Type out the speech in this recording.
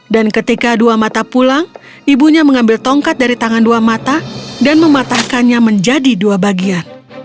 dan ketika dua mata pulang ibunya mengambil tongkat dari tangan dua mata dan mematahkannya menjadi dua bagian